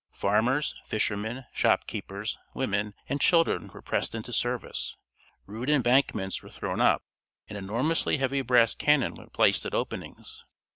Farmers, fishermen, shopkeepers, women, and children were pressed into service. Rude embankments were thrown up, and enormously heavy brass cannon were placed at openings.